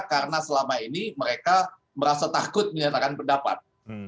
karena selama ini mereka merasa takut menyatakan pendapat